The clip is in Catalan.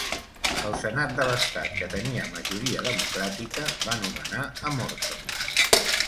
El senat de l'estat, que tenia majoria democràtica, va nomenar a Morton.